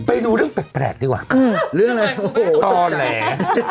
ไปดูเรื่องแปลกดีกว่าเรื่องอะไรต่อแหล